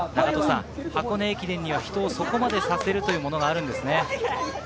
箱根駅伝には人をそこまでさせるものがあるんですね。